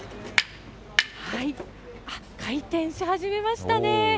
あっ、回転し始めましたね。